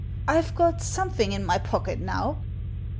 I've got something in my pocket now."